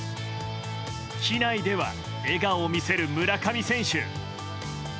機内では、笑顔を見せる村上選手。